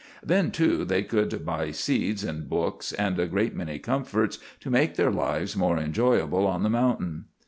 Then, too, they could buy seeds and books and a great many comforts to make their lives more enjoyable on the mountain.